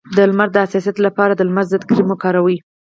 د لمر د حساسیت لپاره د لمر ضد کریم وکاروئ